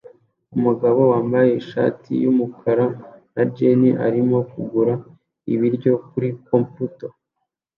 Umugabo wambaye ishati yumukara na jans arimo kugura ibiryo kuri comptoir